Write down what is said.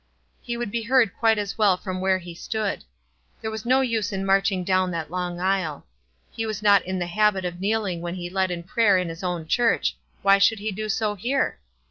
He could be heard quite as well from where he stood. There was no use in marchinir down that long aisle. He was not in the habit of kneeling when he led in prayer in his own church; why should he do so here?